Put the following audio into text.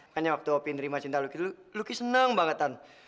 makanya waktu opi nerima cinta lucky itu lucky seneng banget tan